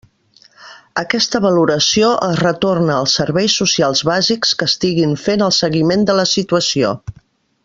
Aquesta valoració es retorna als serveis socials bàsics que estiguin fent el seguiment de la situació.